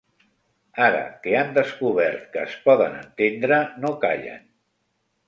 Ara que han descobert que es poden entendre no callen.